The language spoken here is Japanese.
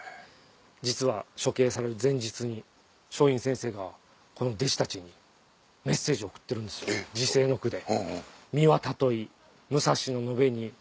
実は処刑される前日に松陰先生がこの弟子たちにメッセージを送ってるんですよ辞世の句で。